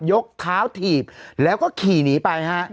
ยกเวทาวทีบแล้วก็ขี่หนีไป